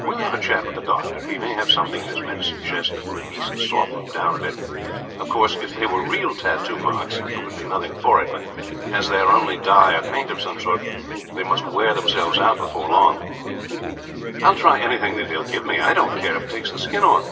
"We will have a chat with the doctor. He may have something in his medicine chest that will at least soften them down a bit. Of course, if they were real tattoo marks there would be nothing for it; but as they are only dye, or paint of some sort, they must wear themselves out before very long." "I will try anything that he will give me. I don't care if it takes the skin off."